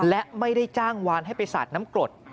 และไม่ได้จ้างวานให้ไปสาดน้ำกรด